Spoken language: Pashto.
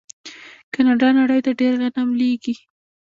کاناډا نړۍ ته ډیر غنم لیږي.